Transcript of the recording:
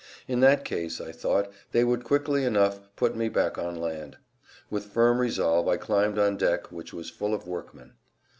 In that case, I thought, they would quickly enough put me back on land. With firm resolve I climbed on deck which was full of workmen.